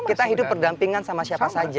kita hidup berdampingan sama siapa saja